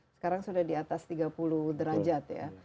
sekarang sudah di atas tiga puluh derajat ya